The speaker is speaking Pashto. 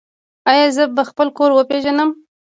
ایا زه به خپل کور وپیژنم؟